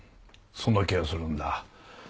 そんな気がするんだ。